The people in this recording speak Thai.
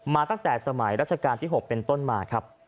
ตั้งแต่สมัยรัชกาลที่๖เป็นต้นมาครับ